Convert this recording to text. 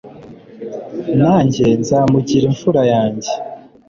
nanjye nzamugira imfura yanjye